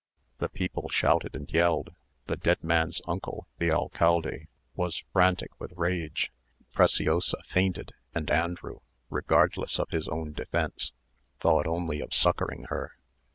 The people shouted and yelled; the dead man's uncle, the alcalde, was frantic with rage; Preciosa fainted, and Andrew, regardless of his own defence, thought only of succouring her.